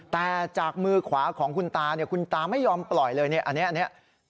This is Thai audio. แต่จากมือขวาของคุณตาเนี่ยคุณตาไม่ยอมปล่อยเลยเนี่ยอันนี้